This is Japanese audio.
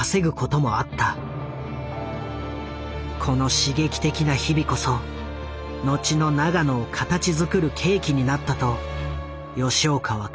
この刺激的な日々こそ後の永野を形づくる契機になったと吉岡は確信している。